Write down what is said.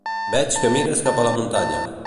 Veig que mires cap a la muntanya.